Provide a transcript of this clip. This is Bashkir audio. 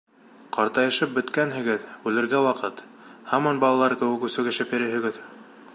Ҡартайышып бөткәнһегеҙ, үлергә ваҡыт, һаман балалар кеүек үсегешеп йөрөйһөгөҙ!